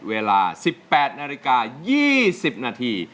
เวลา๑๘นาฬิกา๒๐นาที